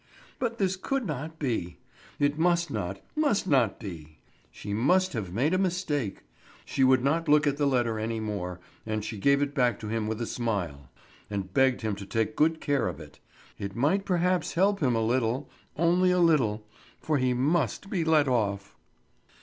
But this could not be! It must not, must not be! She might have made a mistake. She would not look at the letter any more, and she gave it back to him with a smile, and begged him to take good care of it. It might perhaps help him a little, only a little; for he must be let off.